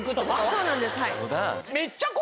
そうなんです。